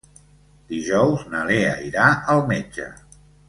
Dijous na Lea irà al metge.